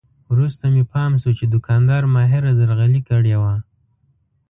وروسته مې پام شو چې دوکاندار ماهره درغلي کړې وه.